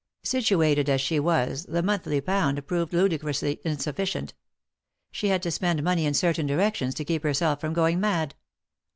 Situated as she was the monthly pound proved ludicrously insufficient — she had to spend money in certain directions to keep herself from going mad.